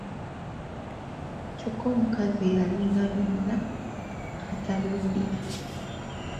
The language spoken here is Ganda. Kyokka omukazi yalinga byonna atabiwulira.